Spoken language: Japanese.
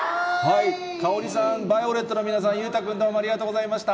カオリさん、ＶＩＯＬＥＴの皆さん、裕太君、どうもありがとうございました。